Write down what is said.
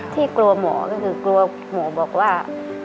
ที่กลัวหมอก็คือกลัวหมอบอกว่า